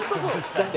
だって。